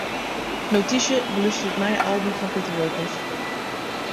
Notysje: Belústerje it nije album fan Piter Wilkens.